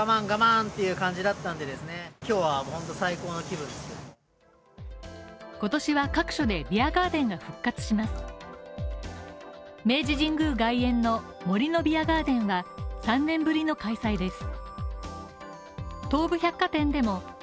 外苑の森のビアガーデンは３年ぶりの開催です。